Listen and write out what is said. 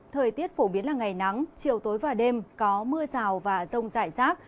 thời tiết phổ biến là ngày nắng chiều tối và đêm có mưa rào và rông rải rác